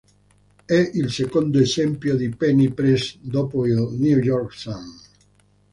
È il secondo esempio di penny press dopo il "New York Sun".